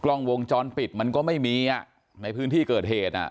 กล้องวงจรปิดมันก็ไม่มีอ่ะในพื้นที่เกิดเหตุอ่ะ